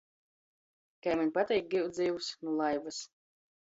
Kai maņ pateik giut zivs — nu laivys!